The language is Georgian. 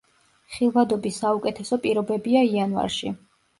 ხილვადობის საუკეთესო პირობებია იანვარში.